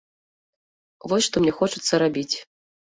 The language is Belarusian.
Вось што мне хочацца рабіць!